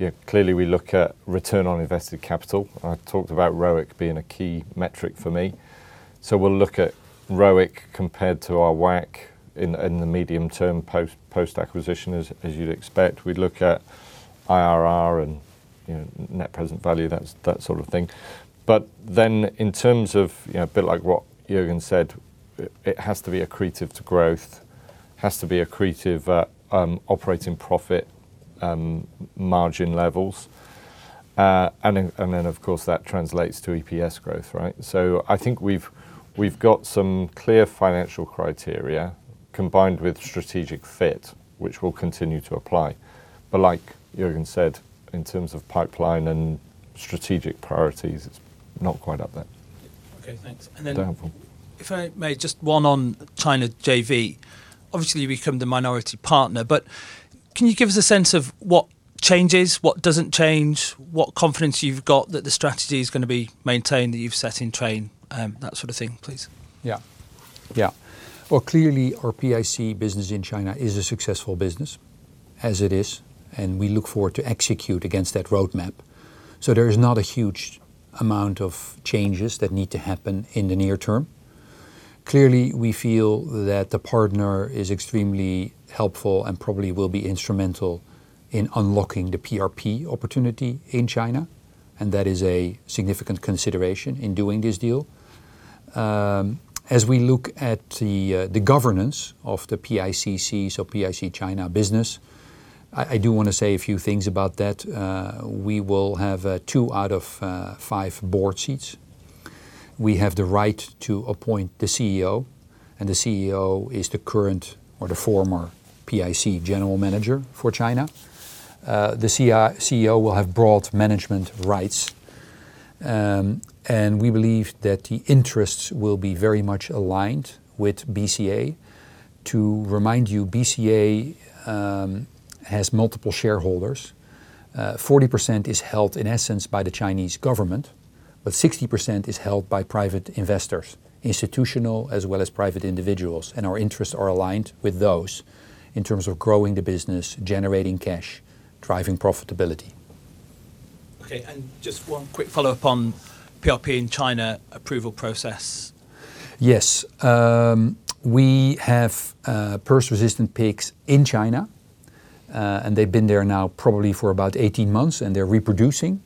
You know, clearly, we look at return on invested capital. I talked about ROIC being a key metric for me. We'll look at ROIC compared to our WACC in the medium term, post-acquisition, as you'd expect. We'd look at IRR and, you know, net present value, that sort of thing. In terms of, you know, a bit like what Jorgen said, it has to be accretive to growth, has to be accretive at operating profit margin levels. And then, of course, that translates to EPS growth, right? I think we've got some clear financial criteria combined with strategic fit, which we'll continue to apply. Like Jorgen said, in terms of pipeline and strategic priorities, it's not quite up there. Okay, thanks. No problem. If I may, just one on China JV. Obviously, you've become the minority partner, but can you give us a sense of what changes, what doesn't change, what confidence you've got that the strategy is gonna be maintained, that you've set in train, that sort of thing, please? Yeah. Yeah. Well, clearly, our PIC business in China is a successful business as it is. We look forward to execute against that roadmap. There is not a huge amount of changes that need to happen in the near term. Clearly, we feel that the partner is extremely helpful and probably will be instrumental in unlocking the PRP opportunity in China. That is a significant consideration in doing this deal. As we look at the governance of the PIC China, so PIC China business, I do wanna say a few things about that. We will have two out of five board seats. We have the right to appoint the CEO, and the CEO is the current or the former PIC general manager for China. The CEO will have broad management rights. We believe that the interests will be very much aligned with BCA. To remind you, BCA has multiple shareholders. 40% is held, in essence, by the Chinese government. 60% is held by private investors, institutional as well as private individuals. Our interests are aligned with those in terms of growing the business, generating cash, driving profitability. Okay, just one quick follow-up on PRP in China approval process. Yes. We have PRRS-resistant pigs in China, and they've been there now probably for about 18 months, and they're reproducing.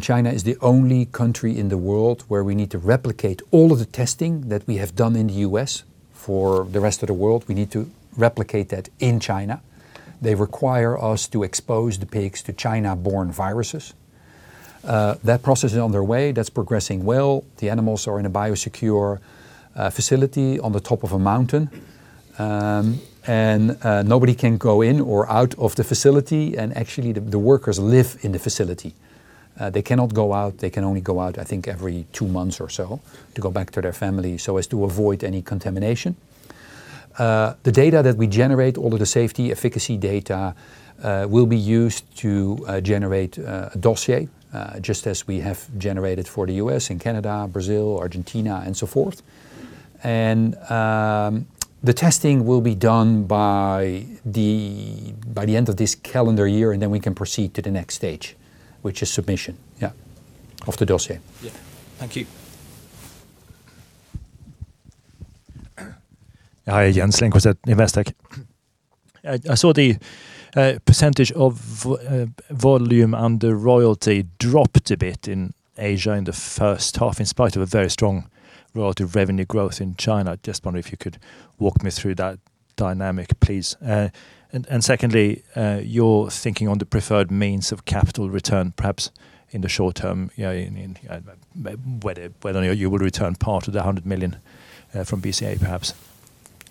China is the only country in the world where we need to replicate all of the testing that we have done in the U.S. for the rest of the world. We need to replicate that in China. They require us to expose the pigs to China-borne viruses. That process is underway. That's progressing well. The animals are in a biosecure facility on the top of a mountain. Nobody can go in or out of the facility, and actually, the workers live in the facility. They cannot go out. They can only go out, I think, every 2 months or so to go back to their family so as to avoid any contamination. The data that we generate, all of the safety efficacy data, will be used to generate a dossier, just as we have generated for the U.S. and Canada, Brazil, Argentina, and so forth. The testing will be done by the end of this calendar year, and then we can proceed to the next stage, which is submission, yeah, of the dossier. Yeah. Thank you. Hi, Jens Lind with Investec. I saw the % of volume and the royalty dropped a bit in Asia in the first half, in spite of a very strong relative revenue growth in China. Just wondering if you could walk me through that dynamic, please. Secondly, your thinking on the preferred means of capital return, perhaps in the short term, in whether or not you will return part of the 100 million from BCA, perhaps.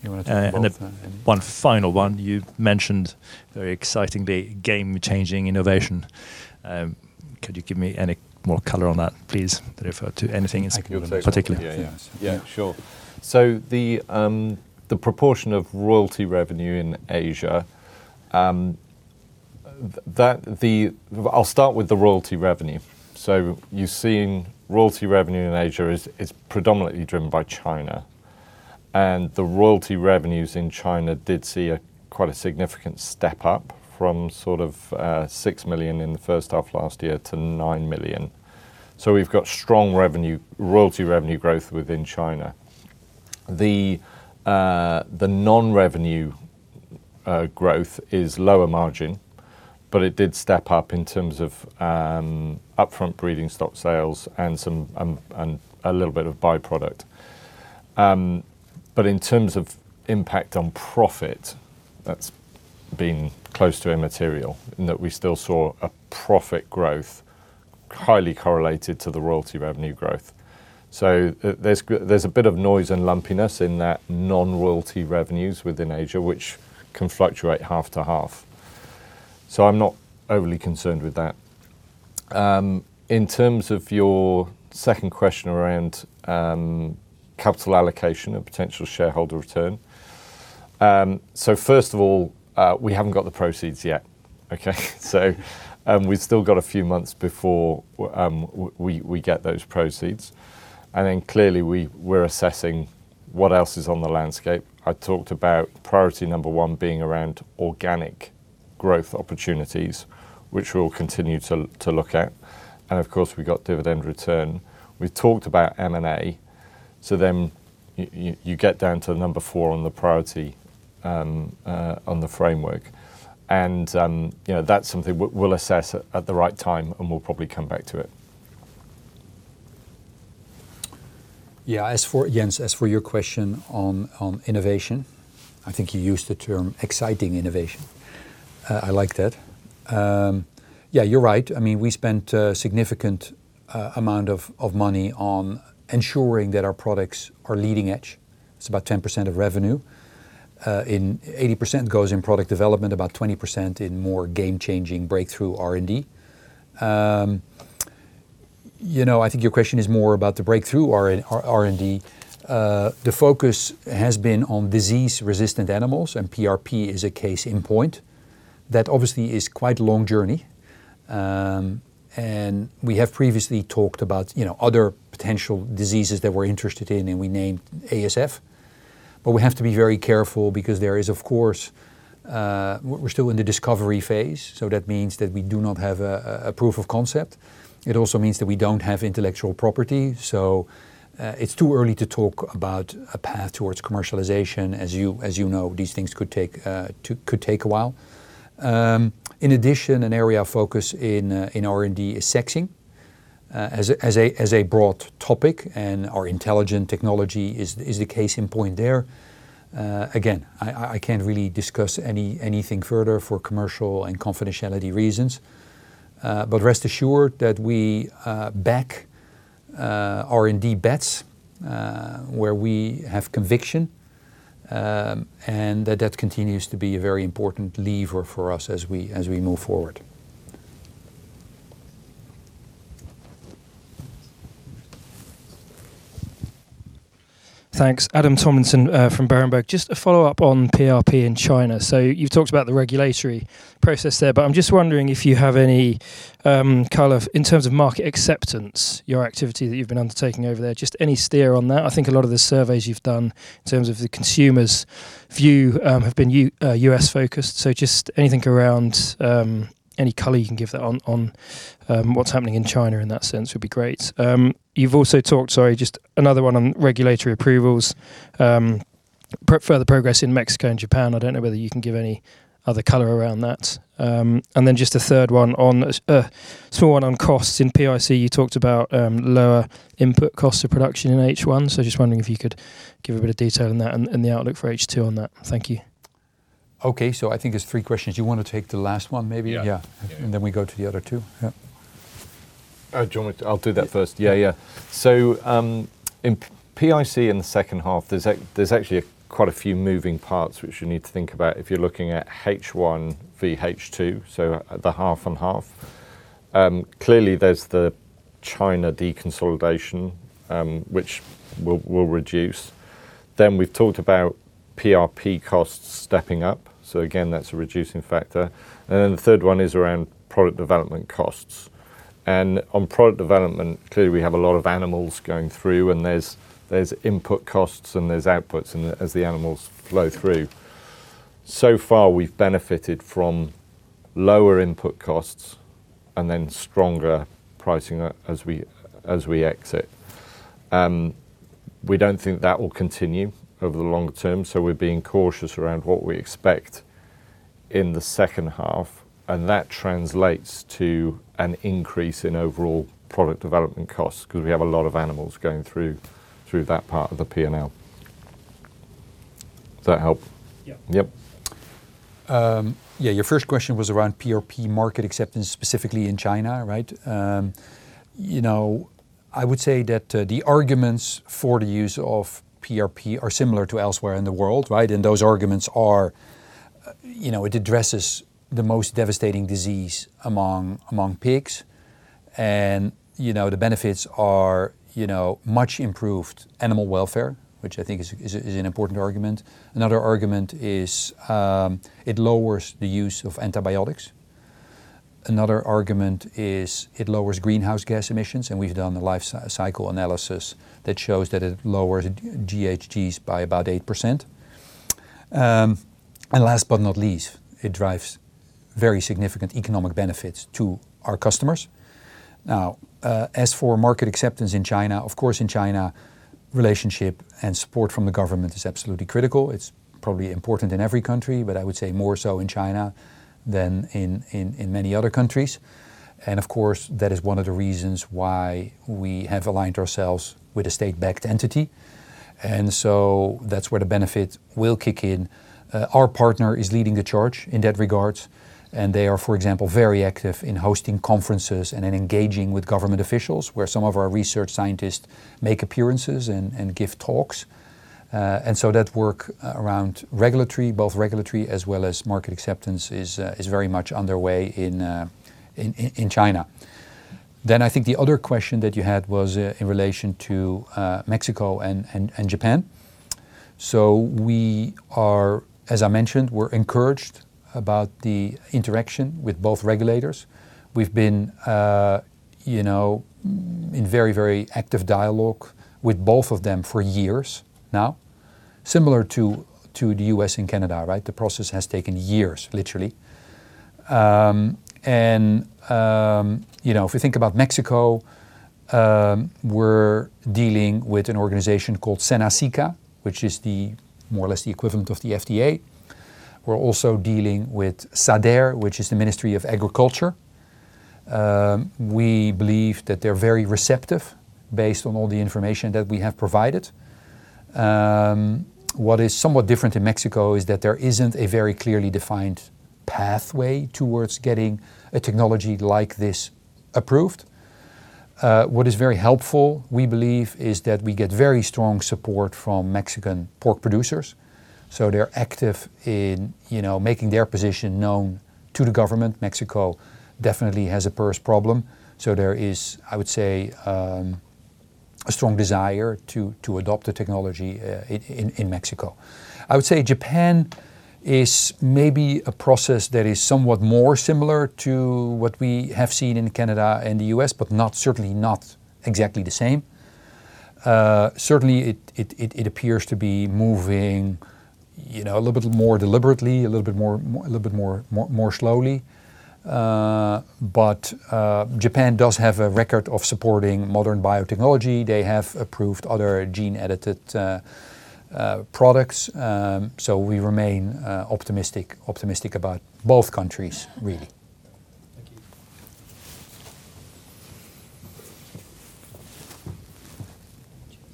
You wanna take both. One final one, you mentioned very excitingly, game-changing innovation. Could you give me any more color on that, please, refer to anything in particular? Yeah. Yeah, sure. The proportion of royalty revenue in Asia, I'll start with the royalty revenue. You're seeing royalty revenue in Asia is predominantly driven by China, and the royalty revenues in China did see a quite a significant step up from sort of 6 million in the first half last year to 9 million. We've got strong revenue, royalty revenue growth within China. The non-revenue growth is lower margin, but it did step up in terms of upfront breeding stock sales and some and a little bit of by-product. But in terms of impact on profit, that's been close to immaterial in that we still saw a profit growth highly correlated to the royalty revenue growth. There's a bit of noise and lumpiness in that non-royalty revenues within Asia, which can fluctuate half to half. I'm not overly concerned with that. In terms of your second question around capital allocation and potential shareholder return, first of all, we haven't got the proceeds yet. Okay? We've still got a few months before we get those proceeds, and then clearly, we're assessing what else is on the landscape. I talked about priority number 1 being around organic growth opportunities, which we'll continue to look at, and of course, we got dividend return. We talked about M&A, you get down to number four on the priority, on the framework, you know, that's something we'll assess at the right time, and we'll probably come back to it. Yeah, as for Jens, as for your question on innovation, I think you used the term exciting innovation. I like that. Yeah, you're right. I mean, we spent a significant amount of money on ensuring that our products are leading-edge. It's about 10% of revenue. 80% goes in product development, about 20% in more game-changing breakthrough R&D. You know, I think your question is more about the breakthrough R&D. The focus has been on disease-resistant animals, PRP is a case in point. That obviously is quite a long journey, we have previously talked about, you know, other potential diseases that we're interested in, we named ASF. We have to be very careful because there is, of course. we're still in the discovery phase, so that means that we do not have a proof of concept. It also means that we don't have intellectual property, so it's too early to talk about a path towards commercialization. As you know, these things could take a while. In addition, an area of focus in R&D is sexing, as a broad topic, and our intelligent technology is a case in point there. Again, I can't really discuss anything further for commercial and confidentiality reasons. But rest assured that we back R&D bets where we have conviction, and that continues to be a very important lever for us as we move forward. Thanks. Adam Tomlinson, from Berenberg. Just a follow-up on PRP in China. You've talked about the regulatory process there, but I'm just wondering if you have any kind of in terms of market acceptance, your activity that you've been undertaking over there, just any steer on that? I think a lot of the surveys you've done in terms of the consumer's view have been U.S.-focused. Just anything around any color you can give that on what's happening in China in that sense would be great. You've also talked. Sorry, just another one on regulatory approvals. Further progress in Mexico and Japan, I don't know whether you can give any other color around that. Then just a third one on a small one on costs. In PIC, you talked about lower input costs of production in H1, just wondering if you could give a bit of detail on that and the outlook for H2 on that. Thank you. I think there's three questions. You wanna take the last one, maybe? Yeah. Yeah. We go to the other two. Yeah. Do you want me to... I'll do that first. Yeah, yeah. In PIC in the second half, there's actually quite a few moving parts which you need to think about if you're looking at H1 v H2, so at the half and half. Clearly, there's the China deconsolidation, which will reduce. We've talked about PRP costs stepping up, so again, that's a reducing factor. The third one is around product development costs. On product development, clearly, we have a lot of animals going through, and there's input costs, and there's outputs as the animals flow through. So far, we've benefited from lower input costs and then stronger pricing as we, as we exit. We don't think that will continue over the long term. We're being cautious around what we expect in the second half. That translates to an increase in overall product development costs 'cause we have a lot of animals going through that part of the P&L. Does that help? Yeah. Yep. Yeah, your first question was around PRP market acceptance, specifically in China, right? You know, I would say that the arguments for the use of PRP are similar to elsewhere in the world, right? Those arguments are, you know, it addresses the most devastating disease among pigs, and, you know, the benefits are, you know, much improved animal welfare, which I think is an important argument. Another argument is it lowers the use of antibiotics. Another argument is it lowers greenhouse gas emissions, and we've done the life cycle analysis that shows that it lowers GHGs by about 8%. Last but not least, it drives very significant economic benefits to our customers. Now, as for market acceptance in China, of course, in China, relationship and support from the government is absolutely critical. It's probably important in every country, but I would say more so in China than in many other countries. Of course, that is one of the reasons why we have aligned ourselves with a state-backed entity, and so that's where the benefits will kick in. Our partner is leading the charge in that regard, and they are, for example, very active in hosting conferences and in engaging with government officials, where some of our research scientists make appearances and give talks. That work around regulatory, both regulatory as well as market acceptance, is very much underway in China. I think the other question that you had was in relation to Mexico and Japan. We are, as I mentioned, we're encouraged about the interaction with both regulators. We've been, you know, in very, very active dialogue with both of them for years now, similar to the U.S. and Canada, right? The process has taken years, literally. You know, if you think about Mexico, we're dealing with an organization called SENASICA, which is the more or less the equivalent of the FDA. We're also dealing with SADER, which is the Ministry of Agriculture. We believe that they're very receptive, based on all the information that we have provided. What is somewhat different in Mexico is that there isn't a very clearly defined pathway towards getting a technology like this approved. What is very helpful, we believe, is that we get very strong support from Mexican pork producers. They're active in, you know, making their position known to the government. Mexico definitely has a PRRS problem. There is, I would say, a strong desire to adopt the technology in Mexico. I would say Japan is maybe a process that is somewhat more similar to what we have seen in Canada and the U.S., but not, certainly not exactly the same. Certainly, it appears to be moving, you know, a little bit more deliberately, a little bit more slowly. Japan does have a record of supporting modern biotechnology. They have approved other gene-edited products. We remain optimistic about both countries, really. Thank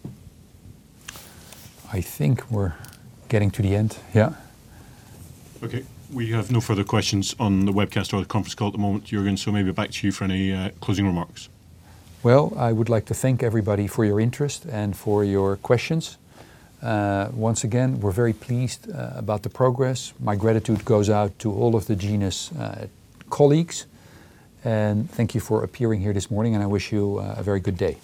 you. I think we're getting to the end. Yeah? Okay. We have no further questions on the webcast or the conference call at the moment, Jorgen, so maybe back to you for any closing remarks. Well, I would like to thank everybody for your interest and for your questions. Once again, we're very pleased about the progress. My gratitude goes out to all of the Genus colleagues. Thank you for appearing here this morning. I wish you a very good day.